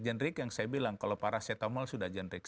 generik yang saya bilang kalau paracetamol sudah generik